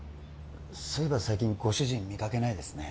そういえば最近ご主人見かけないですね